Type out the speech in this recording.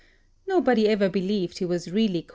Nobody ever believed he was really quite born.